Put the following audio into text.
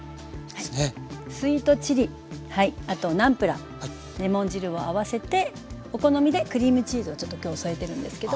スイートチリあとナムプラーレモン汁を合わせてお好みでクリームチーズをちょっと今日添えてるんですけど。